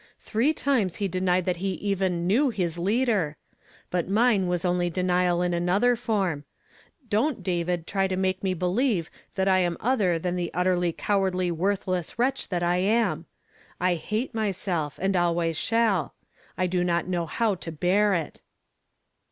Three times he denied that he even knew his Leader I But mine was only denial in another form. Don't, David, try to make me believe that I am other than the' utterly cowardly worthless wretch that I am. I hate myself, and always shall. I do not know how to bear it!"